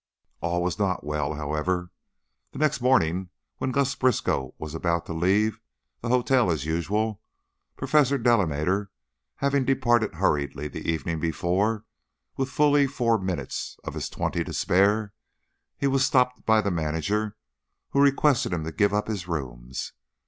All was not well, however. The next morning when Gus Briskow was about to leave the hotel as usual Professor Delamater having departed hurriedly the evening before with fully four minutes of his twenty to spare he was stopped by the manager, who requested him to give up his rooms.